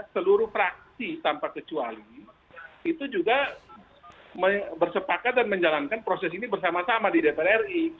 seluruh praksi tanpa kecuali itu juga bersepakat dan menjalankan proses ini bersama sama di dpr ri